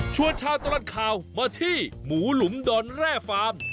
ชาวตลอดข่าวมาที่หมูหลุมดอนแร่ฟาร์ม